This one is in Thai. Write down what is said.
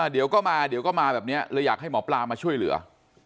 เดี๋ยวก็มาเดี๋ยวก็มาแบบนี้เลยอยากให้หมอปลามาช่วยเหลือ